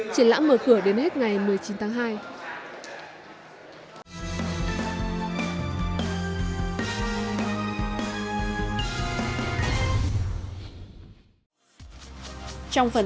triển lãm mở cửa đến hết ngày một mươi chín tháng hai